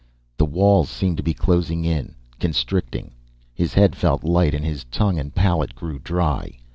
The walls seemed to be closing in, constricting. His head felt light and his tongue and palate grew dry.